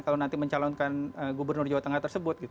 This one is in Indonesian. kalau nanti mencalonkan gubernur jawa tengah tersebut